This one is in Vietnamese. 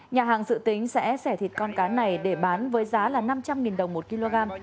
nhà hàng dự tính sẽ sẻ thịt con cá này để bán với giá là năm trăm linh đồng một kg